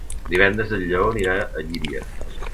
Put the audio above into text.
Divendres en Lleó anirà a Llíria.